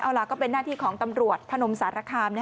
เอาล่ะก็เป็นหน้าที่ของตำรวจพนมสารคาม